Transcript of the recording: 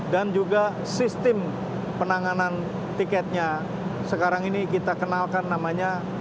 dan juga sistem penanganan tiketnya sekarang ini kita kenalkan namanya